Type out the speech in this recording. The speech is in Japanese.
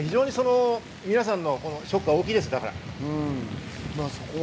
皆さんのショックは大きいです。